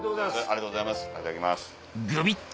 ありがとうございます。